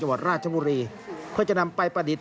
วัดราชบุรีเพื่อจะนำไปประดิษฐ